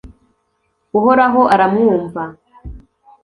uhoraho aramwumva